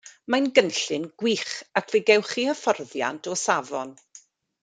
Mae'n gynllun gwych ac fe gewch chi hyfforddiant o safon.